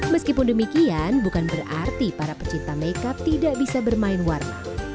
meskipun demikian bukan berarti para pecinta makeup tidak bisa bermain warna